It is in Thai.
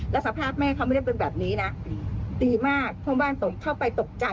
ก็เพราะเรื่องนี้สงสารแม่เขา